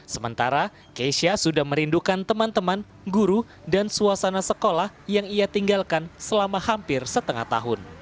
sementara keisha sudah merindukan teman teman guru dan suasana sekolah yang ia tinggalkan selama hampir setengah tahun